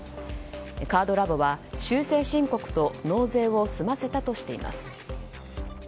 カードラボは修正申告と納税を済ませたとしています。